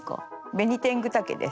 ベニテングタケです。